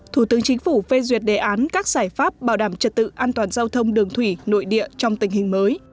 thủ tướng chính phủ phê duyệt đề án các giải pháp bảo đảm trật tự an toàn giao thông đường thủy nội địa trong tình hình mới